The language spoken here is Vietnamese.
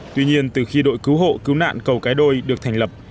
tuy nhiên từ khi đội cứu hộ cứu nạn cầu cái đôi được thành lập